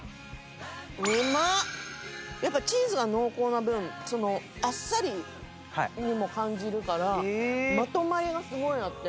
やっぱチーズが濃厚な分あっさりにも感じるからまとまりがすごいあって。